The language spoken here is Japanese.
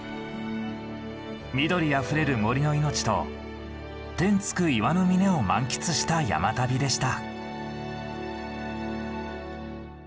緑あふれる森の命と天突く岩の峰を満喫した山旅でした。